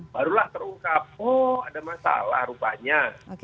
barulah terungkap oh ada masalah rupanya